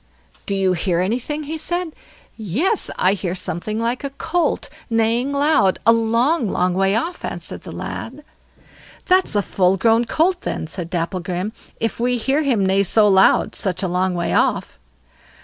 "Do you hear anything?" he said. "Yes, I hear something like a colt neighing loud, a long long way off", answered the lad. "That's a full grown colt then", said Dapplegrim, "if we hear him neigh so loud such a long way off."